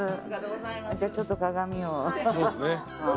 じゃあちょっと鏡を。